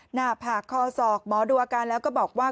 หน้าผากคอศอกหมอดูอาการแล้วก็บอกว่า